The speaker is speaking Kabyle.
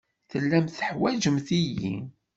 Tellamt teḥwajemt-iyi.